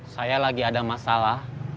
saya lagi ada masalah